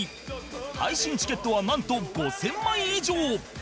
配信チケットはなんと５０００枚以上